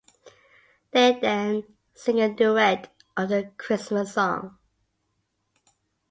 They then sing a duet of "The Christmas Song".